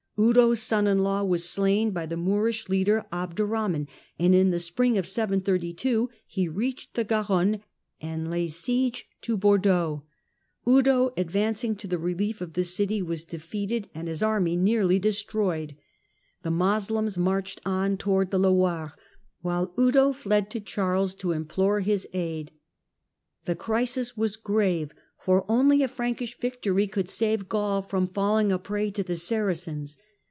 Eudo's son in law was slain by the Moorish leader Abdurrahman, and in the spring of 732 he eached the Garonne and laid siege to Bordeaux. Eudo, advancing to the relief of the city, was defeated and 110 THE DAWN OF MEDIAEVAL EUROPE his army nearly destroyed. The Moslems marched on towards the Loire, while Eudo fled to Charles to implore his aid. of h T<Si a rs tle The crisis was S rave > for om Y a Prankish victory 732 could save Gaul from falling a prey to the Saracens.